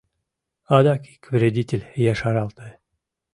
Адак ик вредитель ешаралте.